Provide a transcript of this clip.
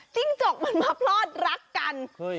จกมันมาพลอดรักกัน